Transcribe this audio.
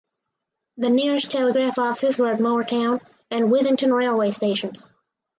The nearest telegraph offices were at Moreton and Withington railway stations.